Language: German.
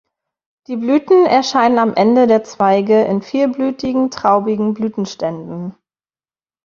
Die Blüten erscheinen am Ende der Zweige in vielblütigen traubigen Blütenständen.